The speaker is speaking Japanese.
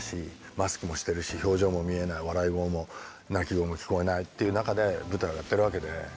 マスクもしてるし表情も見えない笑い声も泣き声も聞こえないっていう中で舞台をやってるわけで。